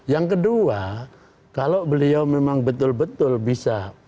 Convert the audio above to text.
yang kedua kalau beliau memang betul betul bisa